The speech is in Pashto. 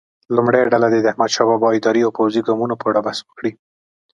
لومړۍ ډله دې د احمدشاه بابا اداري او پوځي ګامونو په اړه بحث وکړي.